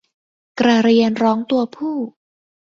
กระเรียนร้องตัวผู้